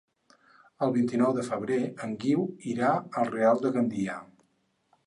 El vint-i-nou de febrer en Guiu irà al Real de Gandia.